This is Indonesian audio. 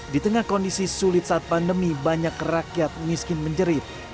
di tengah kondisi sulit saat pandemi banyak rakyat miskin menjerit